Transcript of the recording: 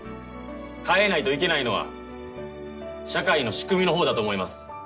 変えないといけないのは社会の仕組みの方だと思います。